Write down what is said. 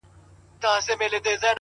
• سل ځله یې زموږ پر کچکولونو زهر وشیندل,